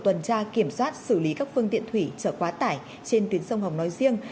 tuần tra kiểm soát xử lý các phương tiện thủy trở quá tải trên tuyến sông hồng nói riêng